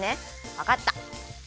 わかった！